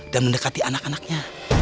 dan mendekati anak anaknya